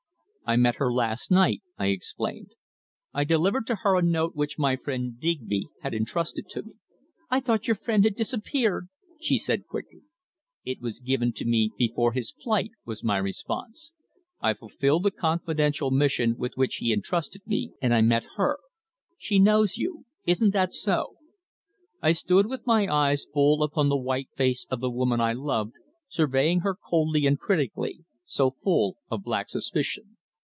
"I met her last night," I explained. "I delivered to her a note which my friend Digby had entrusted to me." "I thought your friend had disappeared?" she said quickly. "It was given to me before his flight," was my response. "I fulfilled a confidential mission with which he entrusted me. And and I met her. She knows you isn't that so?" I stood with my eyes full upon the white face of the woman I loved, surveying her coldly and critically, so full of black suspicion.